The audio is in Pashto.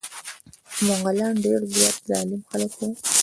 مغولان ډير زيات ظالم خلک وه.